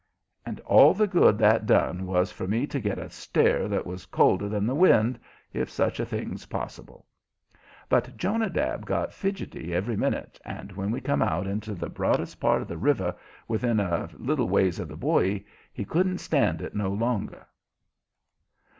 And all the good that done was for me to get a stare that was colder than the wind, if such a thing's possible. But Jonadab got fidgetyer every minute, and when we come out into the broadest part of the river, within a little ways of the buoy, he couldn't stand it no longer.